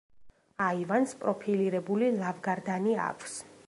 აივანს პროფილირებული ლავგარდანი აქვს.